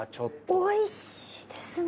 おいしいですね。